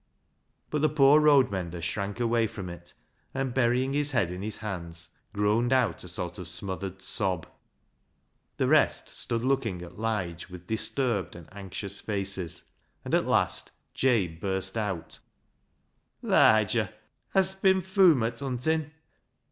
But the poor road mender shrank away from it, and burying his head in his hands, groaned out a sort of smothered sob. The rest stood looking at Lige with disturbed and anxious faces, and at last Jabe burst out —" Liger, hast bin foomart huntin' ?